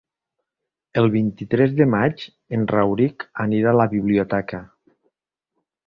El vint-i-tres de maig en Rauric anirà a la biblioteca.